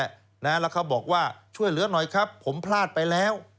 แล้วเขาบอกว่าช่วยเหลือหน่อยครับผมพลาดไปแล้ว